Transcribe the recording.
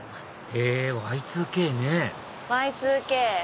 へぇＹ２ＫねＹ２Ｋ！